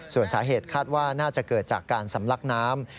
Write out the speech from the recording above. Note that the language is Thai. ส่วนสาเหตุคาดว่าน่าจะเกิดจากการสำลักน้ำ